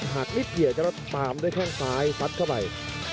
หากนิดเยอะก็ตามด้วยแข่งซ้ายฟัดเข้าไป